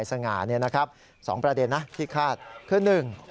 ปฎ์สงาสองประเด็นที่คาดคือหนึ่ง